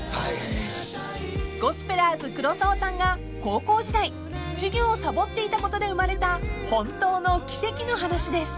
［ゴスペラーズ黒沢さんが高校時代授業をサボっていたことで生まれた本当の奇跡の話です］